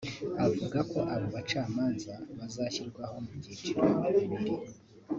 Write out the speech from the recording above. Avuga ko abo bacamanza bazashyirwaho mu byiciro bibiri